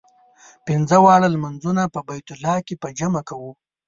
پنځه واړه لمونځونه په بیت الله کې په جمع کوو.